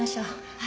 はい。